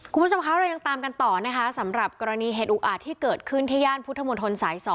คุณผู้ชมคะเรายังตามกันต่อนะคะสำหรับกรณีเหตุอุอาจที่เกิดขึ้นที่ย่านพุทธมนตรสาย๒